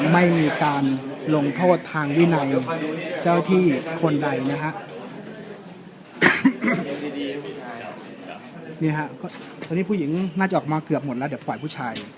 นี่ครับตอนนี้ผู้หญิงน่าจะออกมาเกือบหมดแล้วเดี๋ยวปล่อยผู้ชาย